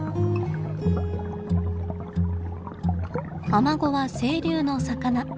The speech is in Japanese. アマゴは清流の魚。